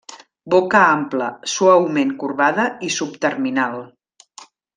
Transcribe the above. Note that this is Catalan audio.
Boca ampla, suaument corbada i subterminal.